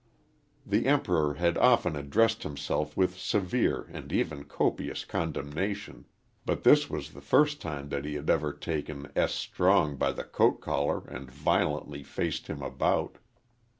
The Emperor had often addressed himself with severe and even copious condemnation, but this was the first time that he had ever taken S. Strong by the coat collar and violently faced him about.